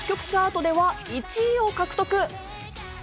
チャートでは１位を獲得。